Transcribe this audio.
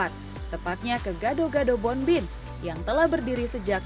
tepatnya ke gado gado bonbin yang telah berdiri sejak seribu sembilan ratus sembilan puluh